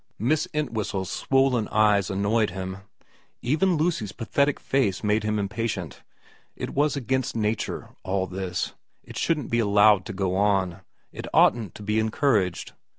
Miss Entwhistle's swollen eyes annoyed him. Even Lucy's pathetic face made him impatient. It was against nature, all this. It shouldn't be allowed to go on, it oughtn't to be en couraged.